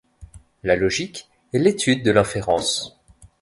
La logique est l’étude de l’inférence.